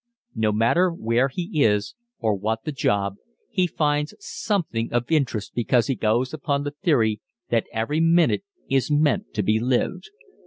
No matter where he is, or what the job, he finds something of interest because he goes upon the theory that every minute is meant to be lived.